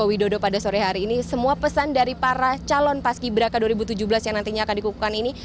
widodo pada sore hari ini semua pesan dari para calon paski braka dua ribu tujuh belas yang nantinya akan dikukukan ini